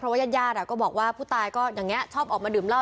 เพราะว่าญาติย่าดอ่ะก็บอกว่าผู้ตายก็อย่างเงี้ยชอบออกมาดื่มเหล้า